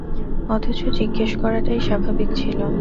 অথচ জিজ্ঞেস করাটাই স্বাভাবিক ছিল।